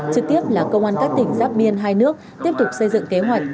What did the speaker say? trực tiếp là công an các tỉnh giáp biên hai nước tiếp tục xây dựng kế hoạch